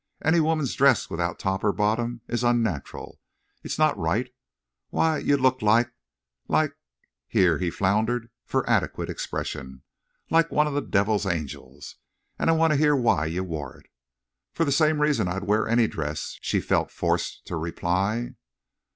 Any woman's dress without top or bottom is onnatural. It's not right. Why, you looked like—like"—here he floundered for adequate expression—"like one of the devil's angels. An' I want to hear why you wore it." "For the same reason I'd wear any dress," she felt forced to reply.